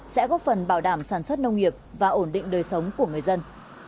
sẽ góp phần bảo đảm sản xuất nông nghiệp và ổn định đời sống của người dân